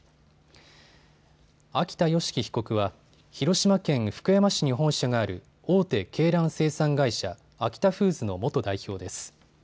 秋田善祺被告は広島県福山市に本社がある大手鶏卵生産会社、アキタフーズの元代表です。